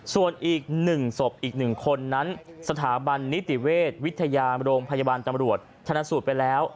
ส่วนอีก๑ศพอีก๑คนนั้นสถาบันนิติเวชวิทยาโรงพยาบาลตำรวจชนะสูตรไปแล้ว